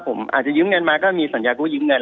ผมอาจจะยืมเงินมาก็มีสัญญากู้ยืมเงิน